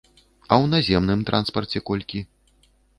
А ў наземным транспарце колькі?